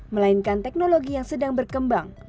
melainkan teknologi yang sedang berkembang